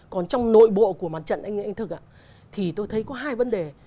còn trong nội bộ của mặt trận anh thực ạ thì tôi thấy có hai vấn đề